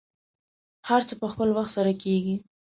هر څه په خپل وخت سره کیږي.